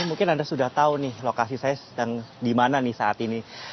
mungkin anda sudah tahu nih lokasi saya sedang di mana nih saat ini